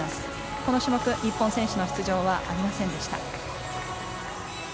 この種目、日本選手の出場はありませんでした。